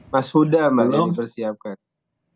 mas huda emang yang dipersiapkan